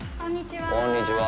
こんにちは。